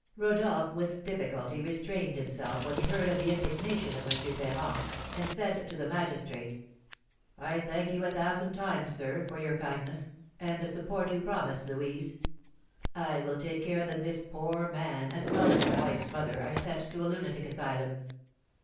Rodolph with difficulty restrained himself when he heard of the indignation of M. Ferrand, and said to the magistrate: "I thank you a thousand times, sir, for your kindness, and the support you promise Louise. I will take care that this poor man, as well as his wife's mother, are sent to a lunatic asylum."